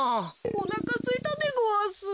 おなかすいたでごわす。